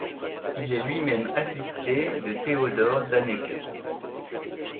Il est lui-même assisté de Theodor Dannecker.